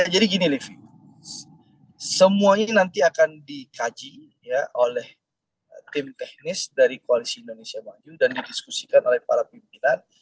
jadi gini livi semuanya nanti akan dikaji oleh tim teknis dari koalisi indonesia maju dan didiskusikan oleh para pimpinan